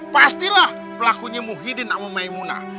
pastilah pelakunya muhyiddin sama maimunah